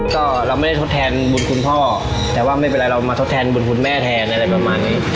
ก็เราไม่ได้ทดแทนบุญคุณพ่อแต่ว่าไม่เป็นไรเรามาทดแทนบุญคุณแม่แทนอะไรประมาณนี้